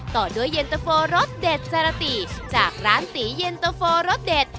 ต่อด้วยเย็นตะโฟรสเด็ดจาราติจากร้านตีเย็นตะโฟรสเด็ด